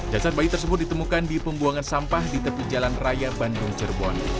jasad bayi tersebut ditemukan di pembuangan sampah di tepi jalan raya bandung cirebon